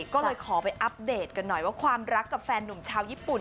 ก็เลยขอไปอัปเดตกันหน่อยว่าความรักกับแฟนหนุ่มชาวญี่ปุ่น